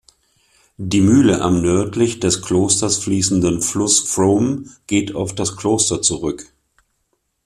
Die Mühle am nördlich des Klosters fließenden Fluss Frome geht auf das Kloster zurück.